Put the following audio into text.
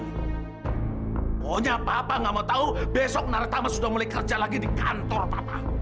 pokoknya papa nggak mau tahu besok nara tama sudah mulai kerja lagi di kantor papa